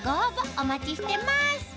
お待ちしてます